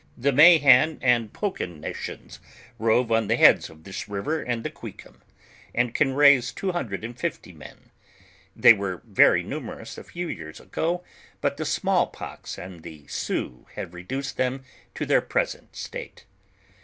The Mahaii and Pocan nations rove on the heads of this river and the Q,ui cum, and can raise two hundred and fifty men; they ^were very numerous a few years ago, but the small pox aftd the Sioux have reduced them to their present state.